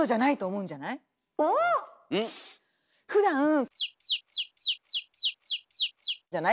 ん？ふだんじゃない？